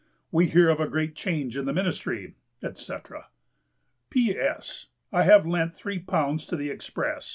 We hear of a great change in the ministry," etc.... "P. S. I have lent three pounds to the express.